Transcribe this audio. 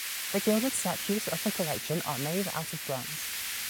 The gilded statues of the collection are made out of bronze.